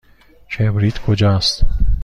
کبریت کجاست؟